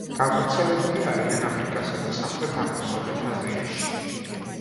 გავრცელებული არიან აფრიკასა და სამხრეთ-აღმოსავლეთ აზიაში.